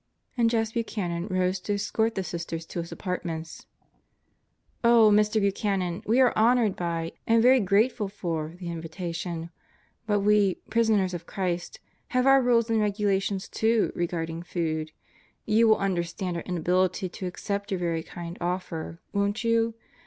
And Jess Buchanan rose to escort the Sisters to his apartments. "Oh, Mr. Buchanan, we are honored by, and very grateful for, the invitation. But we, Prisoners of Christ, have our rules and regulations too, regarding food. You will understand our inability to accept your very kind offer, won't you?